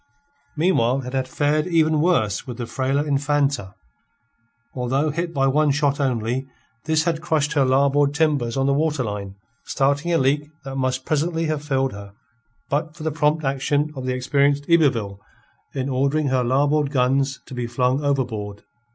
Meanwhile it had fared even worse with the frailer Infanta. Although hit by one shot only, this had crushed her larboard timbers on the waterline, starting a leak that must presently have filled her, but for the prompt action of the experienced Yberville in ordering her larboard guns to be flung overboard.